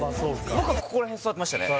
僕はここら辺座ってましたね